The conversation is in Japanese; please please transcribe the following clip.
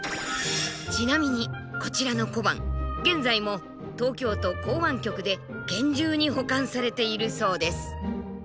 ちなみにこちらの小判現在も東京都港湾局で厳重に保管されているそうです。